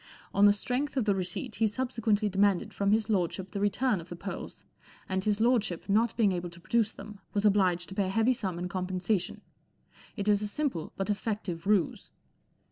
On the strength of the receipt he subsequently demanded from his lordship the return of the pearls, and his lordship, not being able to produce them, was obliged to pay a heavy sum in compensation. It is a simple but effective ruse."